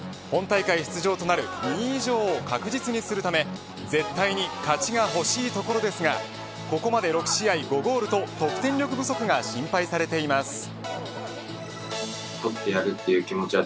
本大会出場となる２位以上を確実にするため絶対に勝ちがほしいところですがここまで６試合５ゴールと得点力不足が心配されています。